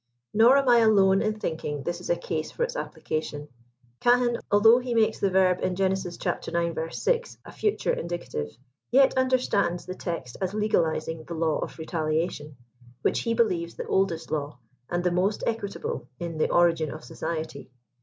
Nor am I alone in thinking this a case for its application. Cahen, although he makes the verb in Gen. ix. 6, a future in dicative, yet understands the text as legalizing the law of re taliation, which he believes the oldest law, and the most equitable in the origin of society.